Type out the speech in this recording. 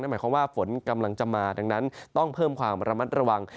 หมายความว่าฝนกำลังจะมาดังนั้นต้องเพิ่มความระมัดระวัง